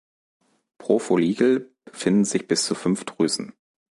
Pro Follikel befinden sich bis zu fünf Drüsen.